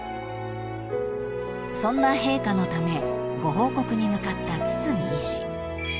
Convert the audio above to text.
［そんな陛下のためご報告に向かった堤医師］